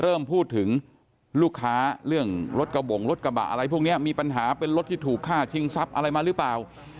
เริ่มพูดถึงลูกค้าเรื่องรถกระบงรถกระบะอะไรพวกนี้มีปัญหาเป็นรถที่ถูกฆ่าชิงทรัพย์อะไรมาหรือเปล่า